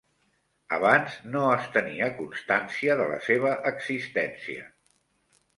Abans no es tenia constància de la seva existència.